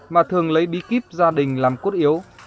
mà thường lấy bí kíp gia đình làm cốt yếu